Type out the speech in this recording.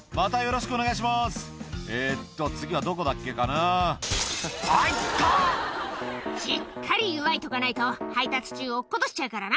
しっかり結わえておかないと、配達中、落っことしちゃうからな。